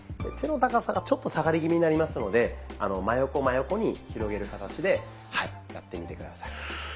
手の高さがちょっと下がり気味になりますので真横真横に広げる形でやってみて下さい。